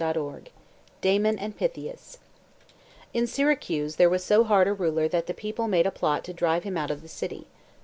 DARNELL DAMON AND PYTHIAS In Syracuse there was so hard a ruler that the people made a plot to drive him out of the city.